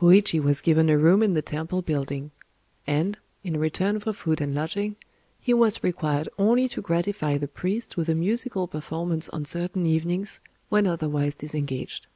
Hōïchi was given a room in the temple building; and, in return for food and lodging, he was required only to gratify the priest with a musical performance on certain evenings, when otherwise disengaged.